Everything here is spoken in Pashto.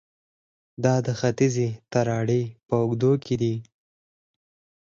دا د ختیځې تراړې په اوږدو کې دي